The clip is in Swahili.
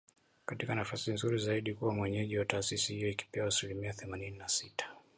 katika nafasi nzuri zaidi kuwa mwenyeji wa taasisi hiyo ikipewa asilimia themanini na sita